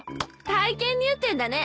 体験入店だね！